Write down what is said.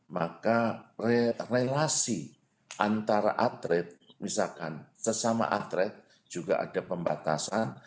maka relasi antara atlet misalkan sesama atlet juga ada pembatasan